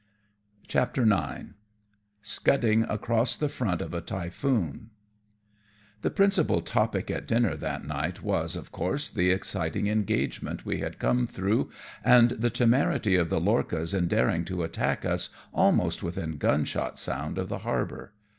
CHAPTER IX. eOUDDTNG ACROSS THE FRONT OF A TYPHOON. The principal topic at dinner that night was, of course, the exciting engagement we had come through, and the temerity of the lorchas in daring to attack us almost within gunshot sound of the harbour.